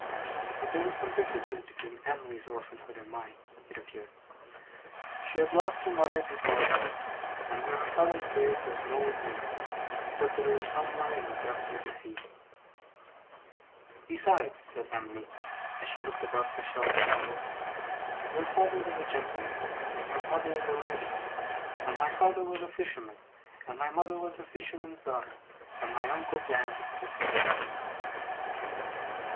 But there were some differences between Em'ly's orphanhood and mine, it appeared. She had lost her mother before her father; and where her father's grave was no one knew, except that it was somewhere in the depths of the sea. 'Besides,' said Em'ly, as she looked about for shells and pebbles, 'your father was a gentleman and your mother is a lady; and my father was a fisherman and my mother was a fisherman's daughter, and my uncle Dan is a fisherman.